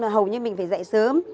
hầu như mình phải dậy sớm